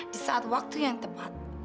di saat waktu yang tepat